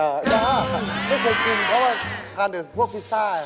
ไม่เคยกินเพราะว่าทานเดี๋ยวพวกพิซซ่า